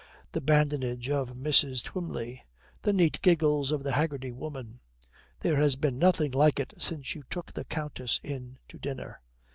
The badinage of Mrs. Twymley. The neat giggles of the Haggerty Woman. There has been nothing like it since you took the countess in to dinner.